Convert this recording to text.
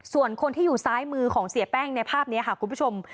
ส่วนคนที่อยู่ซ้ายมือของเสียแป้งในภาพนี้ค่ะคุณผู้ชม